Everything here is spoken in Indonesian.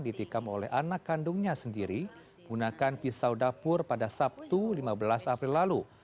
ditikam oleh anak kandungnya sendiri gunakan pisau dapur pada sabtu lima belas april lalu